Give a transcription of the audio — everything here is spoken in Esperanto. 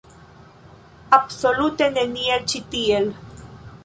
Absolute neniel ĉi tiel.